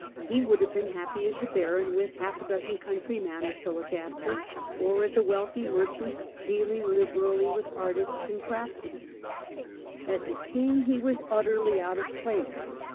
He would have been happy as a baron with half a dozen country manors to look after, or as a wealthy merchant dealing liberally with artists and craftsmen. As a king he was utterly out of place.